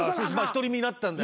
独り身になったんで。